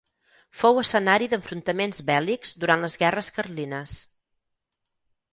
Fou escenari d'enfrontaments bèl·lics durant les guerres carlines.